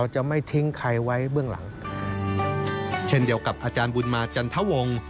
เช่นเดียวกับอาจารย์บุญมาร์จันทวง